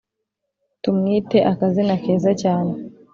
Tumwite akazina keza cyane